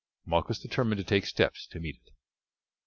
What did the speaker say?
Malchus determined to take steps to meet it.